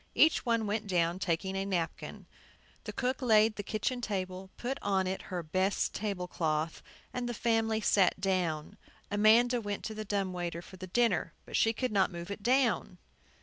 Each one went down, taking a napkin. The cook laid the kitchen table, put on it her best table cloth, and the family sat down. Amanda went to the dumb waiter for the dinner, but she could not move it down.